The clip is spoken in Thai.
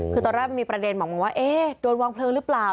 คือตอนแรกมันมีประเด็นบอกว่าเอ๊ะโดนวางเพลิงหรือเปล่า